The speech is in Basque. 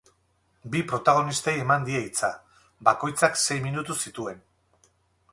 Bi protagonistei eman die hitza. Bakoitzak sei minutu zituen.